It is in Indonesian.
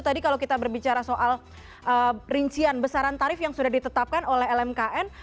tadi kalau kita berbicara soal rincian besaran tarif yang sudah ditetapkan oleh lmkn